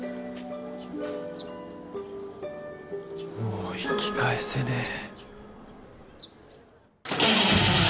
もう引き返せねえ。